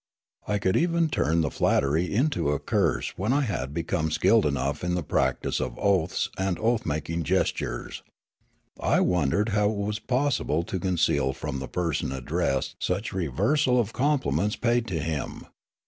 I could even turn the flattery into a curse when I had become skilled enough in the practice of oaths and oath making gestures. I w^ondered how it was possible to conceal from the person addressed such reversal of compliments paid to him.